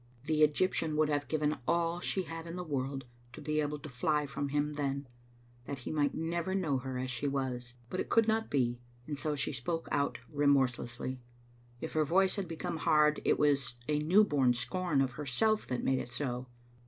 The Egyptian would have given all she had in the world to be able to fly from him then, that he might never know her as she was, but it could not be, and so she spoke out remorselessly If her voice had become bard, it was a new bom scorn of herself that made it so.